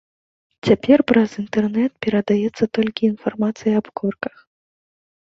Цяпер праз інтэрнэт перадаецца толькі інфармацыя аб корках.